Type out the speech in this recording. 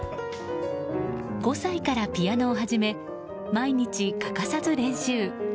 ５歳からピアノを始め毎日欠かさず練習。